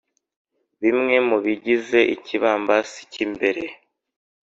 bimwe mu bigize ikibambasi cy'imbere